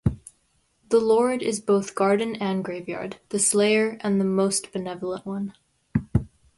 The Lord is both garden and graveyard, the slayer and the most benevolent one.